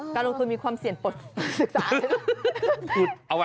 การลงทุนมีความเสี่ยงปลดศึกษาเลยนะ